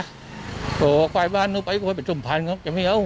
โปรแพบว่าฝ่ายบานนู้นไปก็เหลือเป็นจมพันธุ์เค้าไม่เอา